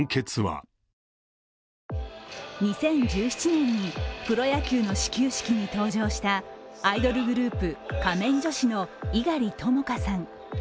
２０１７年にプロ野球の始球式に登場したアイドルグループ・仮面女子の猪狩ともかさん。